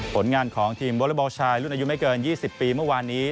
ผลงานของทีมวอเลอร์บอลชายรุ่นอายุไม่เกิน๒๐ปีเมื่อวานนี้